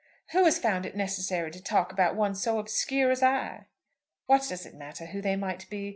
"Who has found it necessary to talk about one so obscure as I?" "What does it matter who they might be?